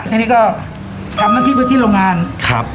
อันนี้ก็ทำน้ำพริกไว้ที่โรงงานครับ